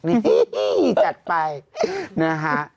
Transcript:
นี่จัดไปนะฮะ